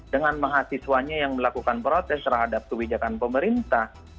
dengan mahasiswanya yang melakukan protes terhadap kebijakan pemerintah